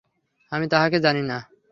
আমি তাহাকে জানি না।